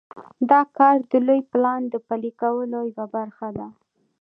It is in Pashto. دا کار د لوی پلان د پلي کولو یوه برخه ده.